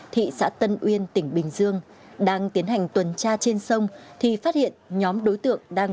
thị xã tân uyên tỉnh bình dương đang tiến hành tuần tra trên sông thì phát hiện nhóm đối tượng đang